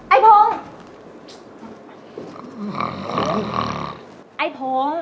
ไอพง